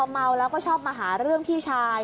เมาแล้วก็ชอบมาหาเรื่องพี่ชาย